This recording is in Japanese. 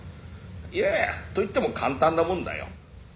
「いやあといっても簡単なもんだよ」。